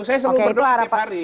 saya selalu berdoa tiap hari